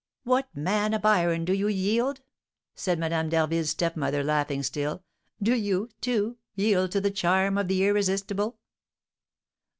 "What, man of iron, do you yield?" said Madame d'Harville's stepmother, laughing still. "Do you, too, yield to the charm of the irresistible?"